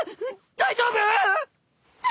大丈夫！？